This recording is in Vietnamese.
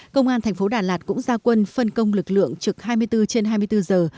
công an thành phố đà lạt cũng gia quân phân công lực lượng trực hai mươi bốn trên hai mươi bốn giờ